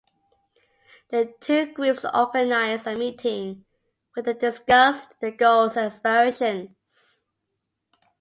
The two groups organized a meeting where they discussed their goals and aspirations.